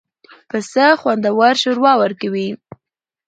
پسه خوندور شوروا ورکوي.